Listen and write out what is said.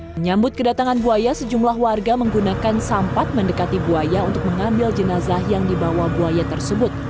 menyambut kedatangan buaya sejumlah warga menggunakan sampat mendekati buaya untuk mengambil jenazah yang dibawa buaya tersebut